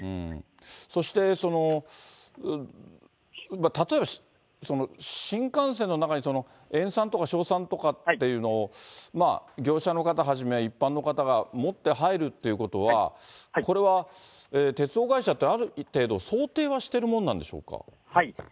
そして例えば、新幹線の中に塩酸とか硝酸とかっていうのを、業者の方はじめ、一般の方が持って入るっていうことは、これは鉄道会社ってある程度、想定はしているもんなんでしょうか。